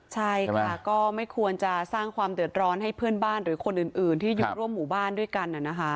ใช่ค่ะก็ไม่ควรจะสร้างความเดือดร้อนให้เพื่อนบ้านหรือคนอื่นที่อยู่ร่วมหมู่บ้านด้วยกัน